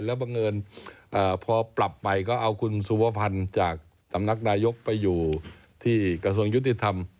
แล้วบังเอิญพอปรับไปก็เอาคุณสุวพันธ์จากสำนักนายกไปอยู่ที่กระทรวงยุติธรรม